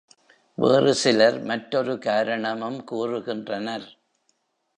வேறு சிலர் மற்றொரு காரணமும் கூறுகின்றனர்.